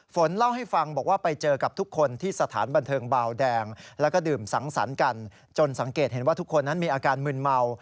ฝนเล่าให้ฟังบอกว่าไปเจอกับทุกคนที่สถานบันเทิงบาวแดงแล้วก็ดื่มสังสรรค์กันจนสังเกตเห็นว่าทุกคนนั้นมีอาการมืนเมา